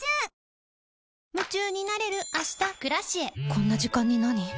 こんな時間になに？